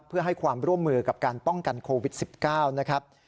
เพื่อให้ความร่วมมือกับการป้องกันโควิด๑๙นะครับ